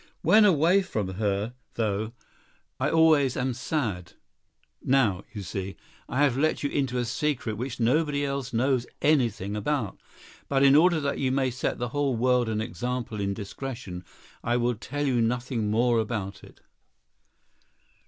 When away from her, though, I always am sad—now, you see, I have let you into a secret which nobody else knows anything about; but in order that you may set the whole world an example in discretion, I will tell you nothing more about it."